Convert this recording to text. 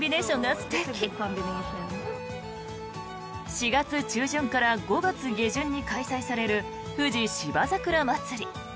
４月中旬から５月下旬に開催される富士芝桜まつり。